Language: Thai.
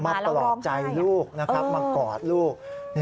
ปลอบใจลูกนะครับมากอดลูก